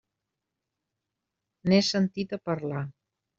N'he sentit a parlar.